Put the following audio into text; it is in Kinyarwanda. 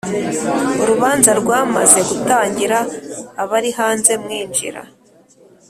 urubanza rwamaze gutangira abarihanze mwinjire